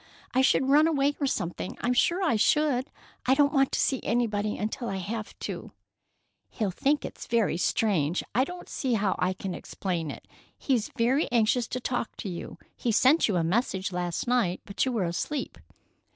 I should run away or something. I'm sure I should. I don't want to see anybody until I have to." "He'll think it very strange. I don't see how I can explain it. He's very anxious to talk to you. He sent you a message last night, but you were asleep."